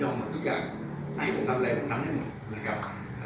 ยอมให้ทุกอย่างให้ผมนำเลยเราไปนำให้หมด